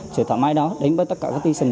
sự thoải mái đó đến với tất cả các thi sĩon